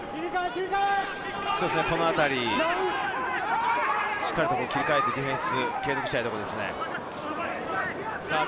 このあたり切り替えてディフェンスしたいところですね。